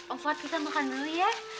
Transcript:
om fuad kita makan dulu ya